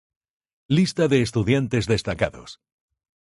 Lista de estudiantes destacados